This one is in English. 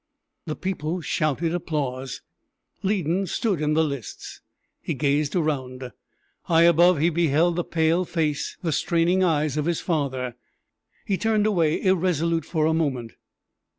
The people shouted applause. Lydon stood in the lists; he gazed around; high above he beheld the pale face, the straining eyes of his father. He turned away irresolute for a moment.